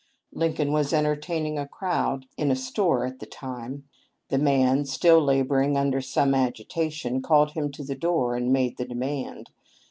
Lincoln was entertaining a crowd in a store at the time. The man, still laboring under some agitation, called him to the door and made the demand.